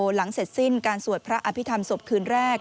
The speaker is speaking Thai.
หลังเสร็จสิ้นการสวดพระอภิษฐรรมศพคืนแรก